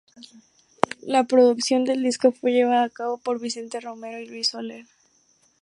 La producción del disco fue llevada a cabo por Vicente Romero y Luis Soler.